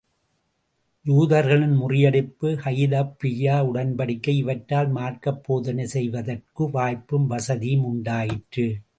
யூதர்களின் முறியடிப்பு, ஹுதைபிய்யா உடன்படிக்கை இவற்றால் மார்க்கப் போதனை செய்வதற்கு வாய்ப்பும் வசதியும் உண்டாயிற்று.